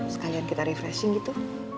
sekalian kita refreshing gitu